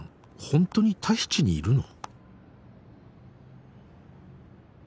ホントにタヒチにいるの？」